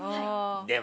でも。